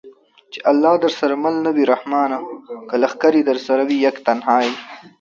چې الله درسره مل نه وي رحمانه! که لښکرې درسره وي یک تنها یې